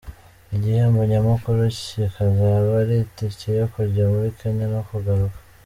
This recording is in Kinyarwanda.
Igihembo nyamukuru kikazaba ari itike yo kujya muri Kenya no kugaruka.